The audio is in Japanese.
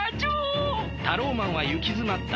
タローマンはゆきづまった。